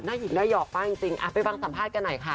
น้าหญิกน่าหยอกป่ะจริงไปบังสัมภาษณ์กันไหนค่ะ